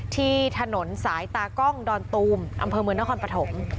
ที่ถนนสายตากล้องดอนตูมอำเภอเมืองนครปฐม